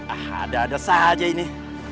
ah ada ada saja ini